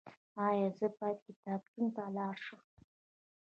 ایا زه باید کتابتون ته لاړ شم؟